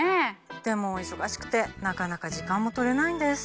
でも忙しくてなかなか時間も取れないんです。